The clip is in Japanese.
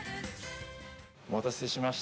お待たせしました。